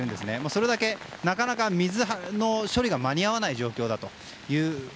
それだけなかなか排水処理が間に合わない状況です。